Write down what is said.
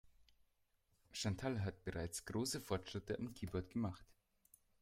Chantal hat bereits große Fortschritte am Keyboard gemacht.